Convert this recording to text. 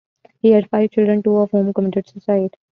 He had five children, two of whom committed suicide.